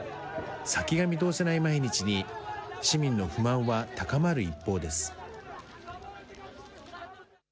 先が見通せない毎日に、市民の不満は高まる一方です。